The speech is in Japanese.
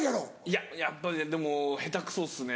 いややっぱでも下手くそですね。